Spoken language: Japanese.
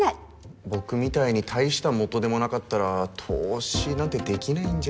僕みたいに大した元手もなかったら投資なんてできないんじゃ。